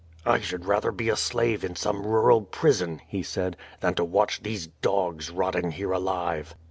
"I should rather be a slave in some rural prison/' he said, "than to watch these dogs rotting here alive."